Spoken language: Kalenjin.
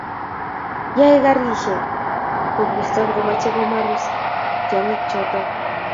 yae karishek kobutso ngomeche komarus tyongichoto